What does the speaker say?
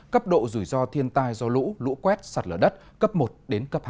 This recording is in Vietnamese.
cấp độ rủi ro thiên tai do lũ lũ quét sạt lở đất cấp một đến cấp hai